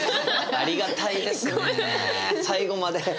ありがたいですねえ最後まで。